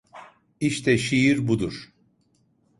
İşte şiir budur!